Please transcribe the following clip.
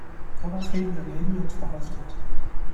Daraufhin wird Elliot verhaftet.